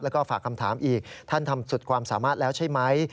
แล้วก็ฝากคำถามอีกท่านทำสุดความสามารถแล้วใช่ไหม